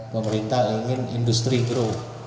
pemerintah ingin industri grow